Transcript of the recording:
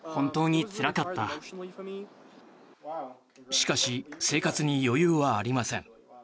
しかし生活に余裕はありません。